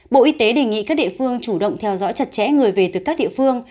bộ y tế đề nghị các địa phương chủ động theo dõi chặt chẽ người về từ các địa phương